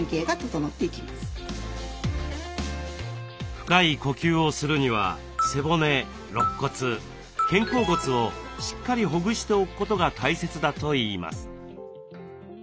深い呼吸をするには背骨肋骨肩甲骨をしっかりほぐしておくことが大切だといいます。